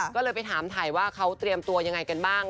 ก็เลยไปถามถ่ายว่าเขาเตรียมตัวยังไงกันบ้าง